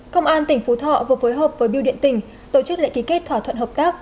công an tỉnh phú thọ vừa phối hợp với biêu điện tỉnh tổ chức lễ ký kết thỏa thuận hợp tác